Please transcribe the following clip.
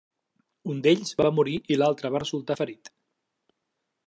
Un d'ells va morir i l'altre va resultar ferit.